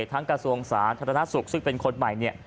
ทั้งกระทรวงศาสตร์ธรรมนักศึกษ์ซึ่งเป็นคนใหม่